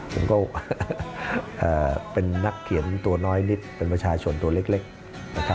ผมก็เป็นนักเขียนตัวน้อยนิดเป็นประชาชนตัวเล็กนะครับ